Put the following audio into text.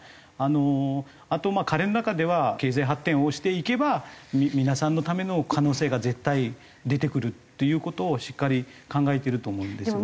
あと彼の中では経済発展をしていけば皆さんのための可能性が絶対出てくるっていう事をしっかり考えてると思うんですよね。